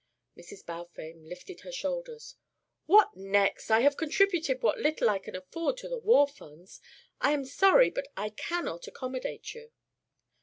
Mrs. Balfame lifted her shoulders. "What next? I have contributed what little I can afford to the war funds. I am sorry, but I cannot accommodate you."